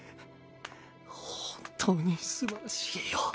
本当にすばらしいよ。